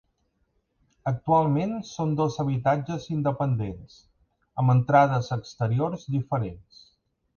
Actualment són dos habitatges independents, amb entrades exteriors diferents.